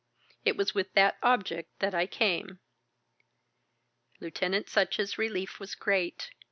It was with that object that I came." Lieutenant Sutch's relief was great.